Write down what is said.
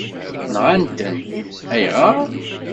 Nɣan-ten, ayɣer?